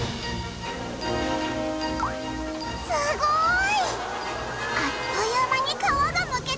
すごーい！